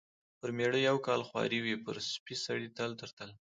پر مېړه یو کال خواري وي ، پر سپي سړي تل تر تله .